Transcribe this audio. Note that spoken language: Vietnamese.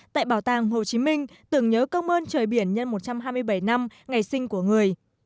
tại bảo tàng hồ chí minh tưởng nhớ công ơn trời biển nhân một trăm hai mươi bảy năm ngày sinh của người